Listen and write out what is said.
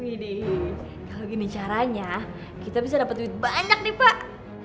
kalau gini caranya kita bisa dapat duit banyak nih pak